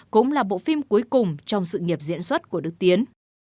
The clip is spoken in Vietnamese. cũng là bộ phim cuối cùng trong sự nghiệp diễn xuất của đức tiến